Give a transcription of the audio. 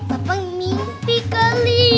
bapak mimpi kali